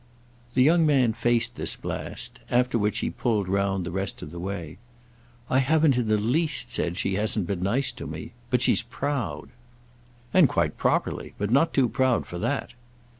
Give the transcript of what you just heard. The young man faced this blast; after which he pulled round the rest of the way. "I haven't in the least said she hasn't been nice to me. But she's proud." "And quite properly. But not too proud for that."